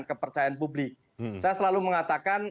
kepercayaan publik saya selalu mengatakan